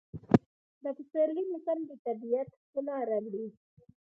د پسرلي موسم د طبیعت ښکلا راوړي.